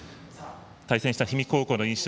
対戦した氷見高校の印象